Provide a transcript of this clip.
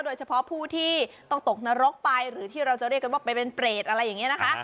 โดยเฉพาะผู้ที่ต้องตกนรกไปหรือที่เราจะเรียกกันว่าไปเป็นเปรตอะไรอย่างนี้นะคะ